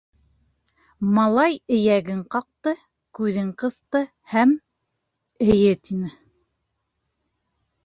Малай эйәген ҡаҡты, күҙен ҡыҫты һәм: «Эйе», — тине.